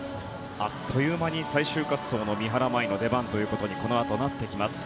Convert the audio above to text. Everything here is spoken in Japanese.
あっという間に最終滑走の三原舞依の出番とこのあとなってきます。